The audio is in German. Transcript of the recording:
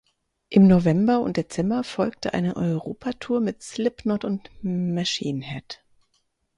Im November und Dezember folgte eine Europa-Tour mit Slipknot und Machine Head.